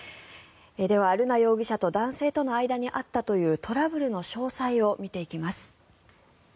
では、瑠奈容疑者と男性との間にあったというトラブルの詳細を見ていきます。